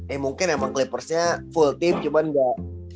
eh mungkin emang clippersnya full team cuman nggak